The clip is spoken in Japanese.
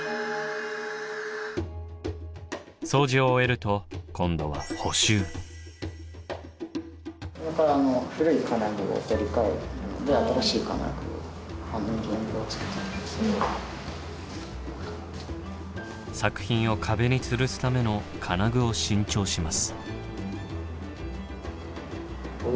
掃除を終えると今度は作品を壁につるすための金具を新調します。